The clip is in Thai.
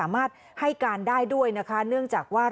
เผื่อ